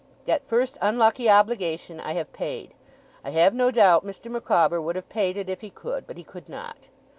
That first unlucky obligation, I have paid. I have no doubt Mr. Micawber would have paid it if he could, but he could not.